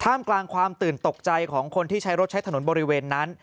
มกลางความตื่นตกใจของคนที่ใช้รถใช้ถนนบริเวณนั้น